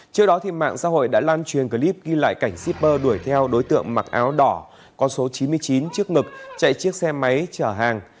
trước đó mạng xã hội đã lan truyền clip ghi lại cảnh shipper đuổi theo đối tượng mặc áo đỏ con số chín mươi chín trước ngực chạy chiếc xe máy chở hàng